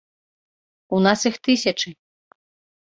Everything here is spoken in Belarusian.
У нас іх тысячы.